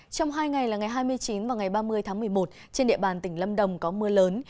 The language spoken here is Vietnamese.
trong hai ngày là ngày hai mươi chín và ngày ba mươi tháng một mươi một trên địa bàn tỉnh lâm đồng có mưa lớn